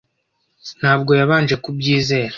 Ntabwo yabanje kubyizera.